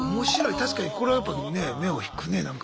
確かにこれはやっぱね目を引くね何か。